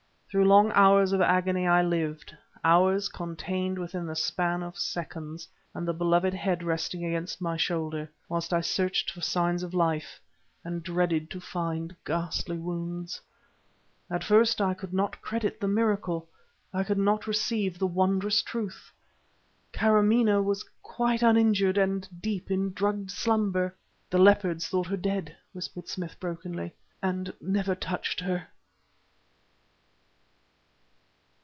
Through long hours of agony I lived, hours contained within the span of seconds, the beloved head resting against my shoulder, whilst I searched for signs of life and dreaded to find ghastly wounds.... At first I could not credit the miracle; I could not receive the wondrous truth. Kâramaneh was quite uninjured and deep in drugged slumber! "The leopards thought her dead," whispered Smith brokenly, "and never touched her!"